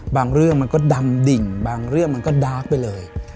บางเรื่องมันก็ดำดิ่งบางเรื่องมันก็ดาร์กไปเลย